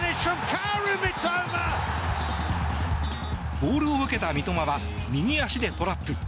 ボールを受けた三笘は右足でトラップ。